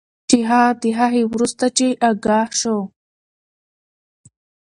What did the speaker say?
چې هغه د هغې وروسته چې آګاه شو